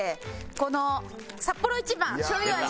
このサッポロ一番しょうゆ味。